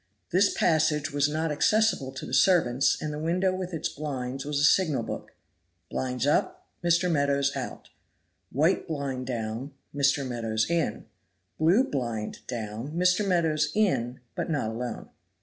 This passage was not accessible to the servants, and the window with its blinds was a signal book. Blinds up, Mr. Meadows out. White blind down, Mr. Meadows in. Blue blind down, Mr. Meadows in, but not alone.